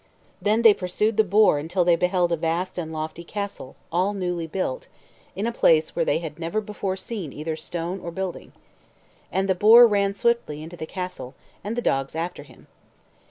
Then they pursued the boar until they beheld a vast and lofty castle, all newly built, in a place where they had never before seen either stone or building. And the boar ran swiftly into the castle, and the dogs after him.